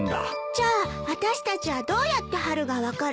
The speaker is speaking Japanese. じゃああたしたちはどうやって春が分かるの？